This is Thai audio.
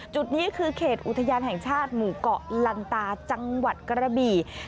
จุดนี้คือเขตอุทยานแห่งชาติหมู่เกาะลันตาจังหวัดกระบี่